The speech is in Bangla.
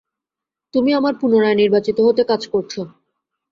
তুমি আমার পূণরায় নির্বাচিত হতে কাজ করছো।